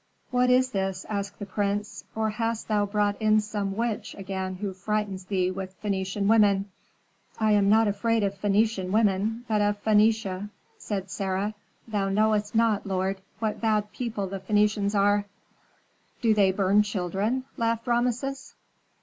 "What is this?" asked the prince; "or hast thou brought in some witch again who frightens thee with Phœnician women?" "I am not afraid of Phœnician women, but of Phœnicia," said Sarah; "thou knowest not, lord, what bad people the Phœnicians are." "Do they burn children?" laughed Rameses.